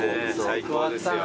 最高ですよ。